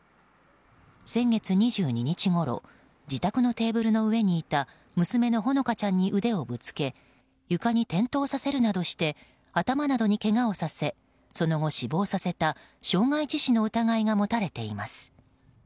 先月２２日ごろ自宅のテーブルの上にいた娘のほのかちゃんに腕をぶつけ床に転倒させるなどして頭などにけがをさせその後、死亡させた傷害致死の疑いが持たれています。